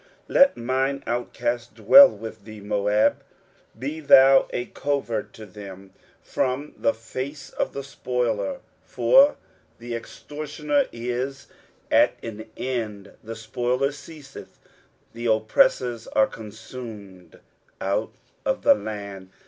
23:016:004 Let mine outcasts dwell with thee, Moab; be thou a covert to them from the face of the spoiler: for the extortioner is at an end, the spoiler ceaseth, the oppressors are consumed out of the land.